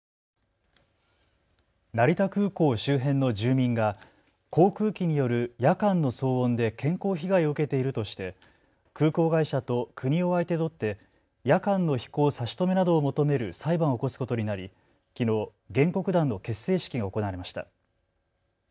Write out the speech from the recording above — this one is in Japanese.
成田空港周辺の住民が航空機による夜間の騒音で健康被害を受けているとして空港会社と国を相手取って夜間の飛行差し止めなどを求める裁判を起こすことになり、きのう原告団の結成式が行われました。